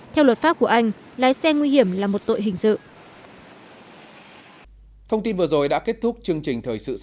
theo luật pháp của anh lái xe nguy hiểm là một tội hình sự